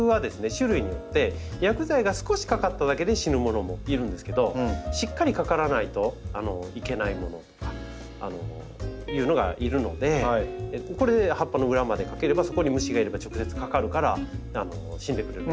種類によって薬剤が少しかかっただけで死ぬものもいるんですけどしっかりかからないといけないものとかいうのがいるのでこれ葉っぱの裏までかければそこに虫がいれば直接かかるから死んでくれる。